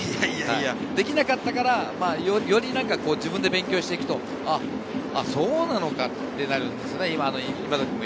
できなかったから、より自分で勉強していくと、そうなのかとなるんですよね。